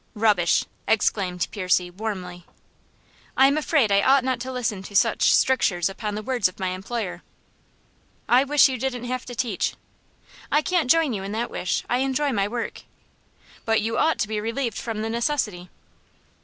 "Rubbish!" exclaimed Percy, warmly. "I am afraid I ought not to listen to such strictures upon the words of my employer." "I wish you didn't have to teach." "I can't join you in that wish. I enjoy my work." "But you ought to be relieved from the necessity."